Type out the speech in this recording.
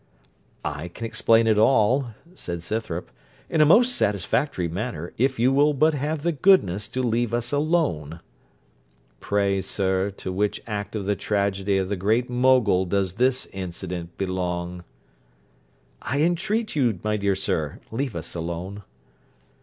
'I can explain it all,' said Scythrop, 'in a most satisfactory manner, if you will but have the goodness to leave us alone.' 'Pray, sir, to which act of the tragedy of the Great Mogul does this incident belong?' 'I entreat you, my dear sir, leave us alone.'